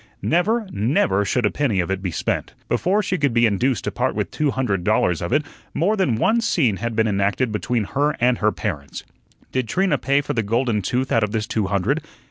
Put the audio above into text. Never, never should a penny of it be spent. Before she could be induced to part with two hundred dollars of it, more than one scene had been enacted between her and her parents. Did Trina pay for the golden tooth out of this two hundred?